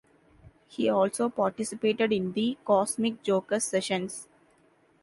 He also participated in the Cosmic Jokers sessions.